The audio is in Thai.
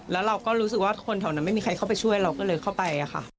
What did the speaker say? แล้วเราก็รู้สึกว่าคนแถวนั้นไม่มีใครเข้าไปช่วยเราก็เลยเข้าไปค่ะ